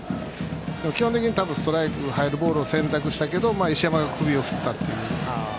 基本的にストライク入るボールを選択したけど石山が首を振ったと。